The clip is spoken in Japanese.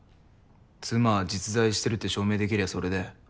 妻は実在してるって証明できりゃそれで。